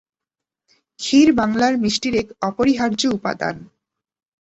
ক্ষীর বাংলার মিষ্টির এক অপরিহার্য উপাদান।